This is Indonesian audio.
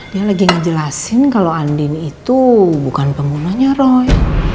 dia lagi ngejelasin kalau andin itu bukan penggunanya roy